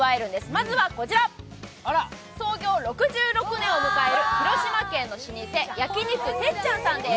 まずはこちら、創業６６年を迎える、広島県の老舗、焼肉てっちゃんさんです。